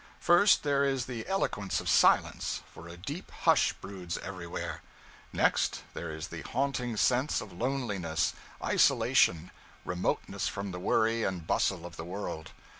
First, there is the eloquence of silence; for a deep hush broods everywhere. Next, there is the haunting sense of loneliness, isolation, remoteness from the worry and bustle of the world.